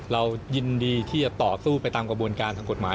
เรายินดีที่จะต่อสู้ไปตามกระบวนการทางกฎหมาย